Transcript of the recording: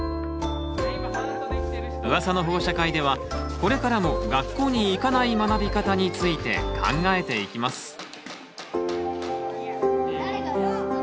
「ウワサの保護者会」ではこれからも学校に行かない学び方について考えていきます。